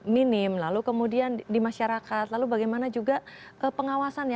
minim lalu kemudian di masyarakat lalu bagaimana juga pengawasannya